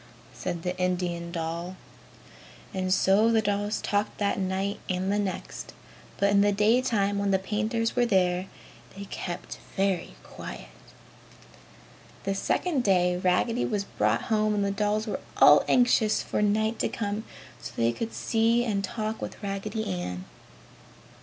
said the Indian doll. And so the dolls talked that night and the next. But in the daytime when the painters were there, they kept very quiet. The second day Raggedy was brought home and the dolls were all anxious for night to come so that they could see and talk with Raggedy Ann.